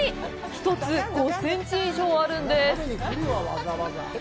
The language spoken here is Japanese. １つ５センチ以上あるんです！